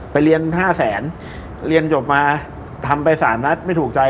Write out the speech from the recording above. ไปเรียนห้าแสนเรียนจบมาทำไปสามนัดไม่ถูกใจ